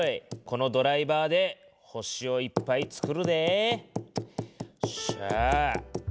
このドライバーで星をいっぱいつくるで。